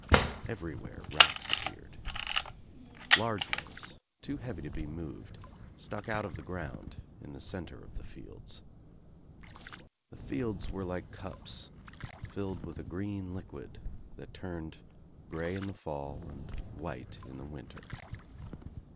Everywhere rocks appeared. Large ones, too heavy to be moved, stuck out of the ground in the centre of the fields. The fields were hke cups filled with a green liquid that turned grey in the fail and white In the winter.